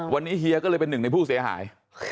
วันนี้เฮียก็เลยเป็นหนึ่งในผู้เสียหาย